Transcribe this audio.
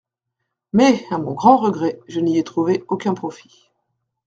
Mais, à mon grand regret, je n’y ai trouvé aucun profit.